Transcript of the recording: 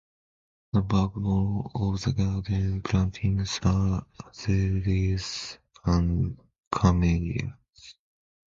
The backbone of the garden plantings are azaleas and camellias.